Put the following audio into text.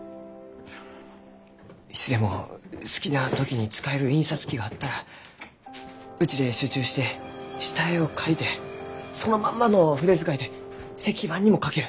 いつでも好きな時に使える印刷機があったらうちで集中して下絵を描いてそのまんまの筆遣いで石版にも描ける。